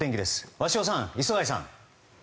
鷲尾さん、磯貝さん。